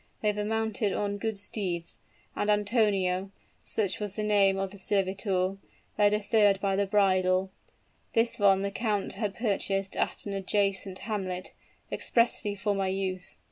They were mounted on good steeds; and Antonio such was the name of the servitor led a third by the bridle. This one the count had purchased at an adjacent hamlet, expressly for my use.